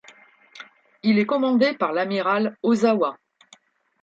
Il est commandé par l'amiral Ozawa.